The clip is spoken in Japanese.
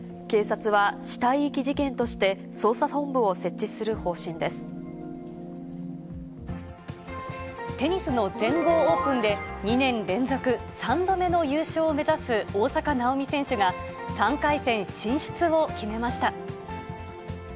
警察は、死体遺棄事件としてテニスの全豪オープンで、２年連続３度目の優勝を目指す大坂なおみ選手が、３回戦進出を決めました。